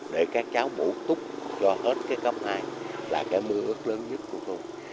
để các cháu bủ túc cho hết cái cấp hai là cái mưu ước lớn nhất của tôi